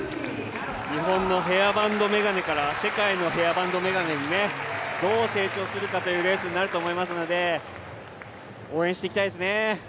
日本のヘアバンド眼鏡から世界のヘアバンド眼鏡にどう成長するかというレースになるかと思いますので応援していきたいですね。